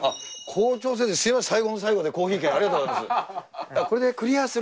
校長先生、すみません、最後の最後でコーヒー券ありがとうございます。